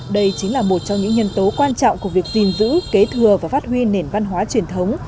đây chính là một trong những nhân tố quan trọng của việc gìn giữ kế thừa và phát huy nền văn hóa truyền thống